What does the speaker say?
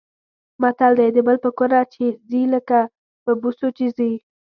متل دی: د بل په کونه چې ځي لکه په بوسو چې ځي.